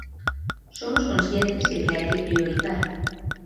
Somos conscientes de que hai que priorizar.